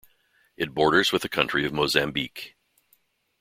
It borders with the country of Mozambique.